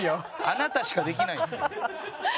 あなたしかできないですよ。